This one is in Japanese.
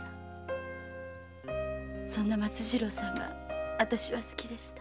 そんな松次郎さんが私は好きでした。